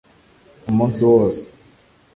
umunsi wose